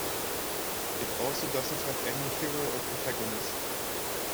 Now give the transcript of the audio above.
It also does not have any hero or protagonist.